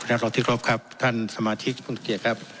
พระนักศึกษ์ครับท่านสมาธิกษ์คุณศักย์เกียรติครับ